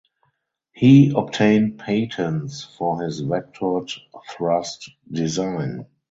He obtained patents for his vectored thrust design.